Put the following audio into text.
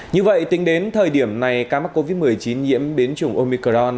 như vậy tính đến thời điểm này ca mắc covid một mươi chín nhiễm biến chủng omicron